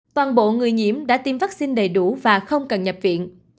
toàn bộ người nhiễm đã tiêm vắc xin đầy đủ và không cần nhập viện